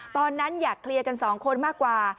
ตอนนั้นอยากเคลียร์กันสองคนมากกว่า